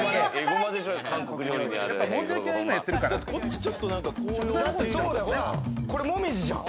こっちちょっとなんか紅葉というか、これ紅葉じゃん。